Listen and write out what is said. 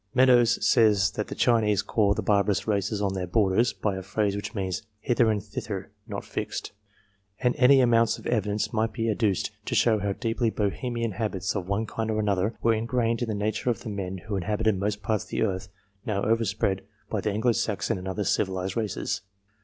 Meadows says that the Chinese call the barbarous races on their borders by a phrase which means " hither and thither, not fixed." And any amount of evidence might be adduced to show how deeply Bohemian habits of one kind or another were ingrained in the nature of the men who inhabited most parts of the earth now overspread by the Anglo Saxon and other civilized races.